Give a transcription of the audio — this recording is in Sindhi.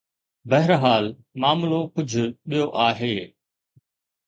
بهرحال معاملو ڪجهه ٻيو آهي.